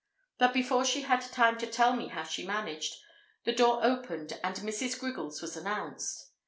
But before she had time to tell me how she managed, the door opened and Mrs. Griggles was announced.